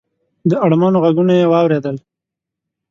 د اړمنو غږونه یې واورېدل.